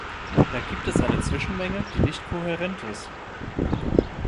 Da gibt es eine Zwischenmenge, die nicht kohärent ist.